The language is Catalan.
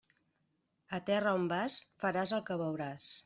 A terra on vas, faràs el que veuràs.